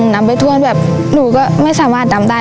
น้ำไปท่วมแบบหนูก็ไม่สามารถดำได้